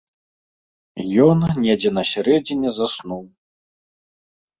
Ён недзе на сярэдзіне заснуў.